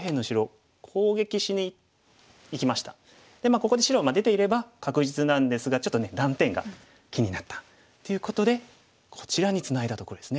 ここで白は出ていれば確実なんですがちょっとね断点が気になったということでこちらにツナいだとこですね。